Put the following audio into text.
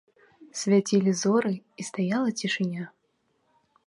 Свяцілі зоры, і стаяла цішыня.